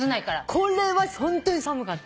これはホントに寒かった。